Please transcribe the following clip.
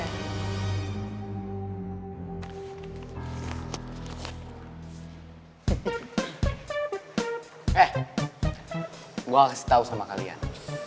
eh gue kasih tau sama kalian